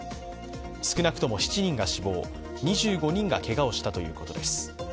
少なくとも７人が死亡、２５人がけがをしたということです。